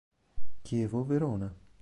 Chievo Verona